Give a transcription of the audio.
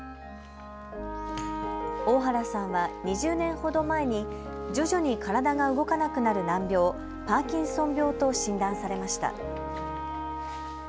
大原さんは２０年ほど前に徐々に体が動かなくなる難病、パーキンソン病と診断されました。